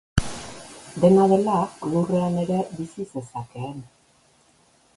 Dena dela, lurrean ere bizi zezakeen.